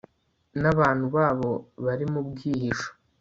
n'abantu babo bari mu bwihisho